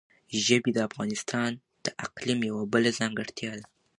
ژبې د افغانستان د اقلیم یوه بله ځانګړتیا ده.